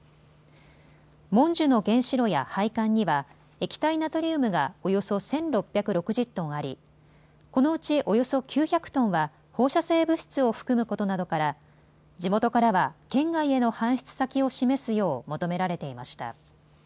もんじゅの原子炉や配管には液体ナトリウムがおよそ１６６０トンあり、このうちおよそ９００トンは放射性物質を含むことなどから地元からは県外への搬出先を示すよう求められていました。